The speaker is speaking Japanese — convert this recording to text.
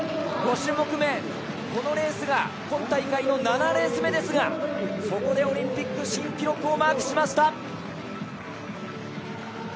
５種目め、このレースが今大会の７レース目ですがそこでオリンピック新記録をマークしました。